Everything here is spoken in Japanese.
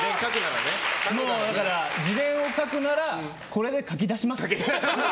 自伝を書くならこれで書き出します。